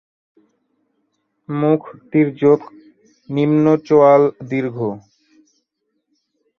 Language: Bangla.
মুখ তির্যক, নিম্ন চোয়াল দীর্ঘ।